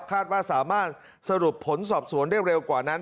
คาดว่าสามารถสรุปผลสอบสวนได้เร็วกว่านั้น